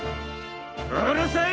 うるさい！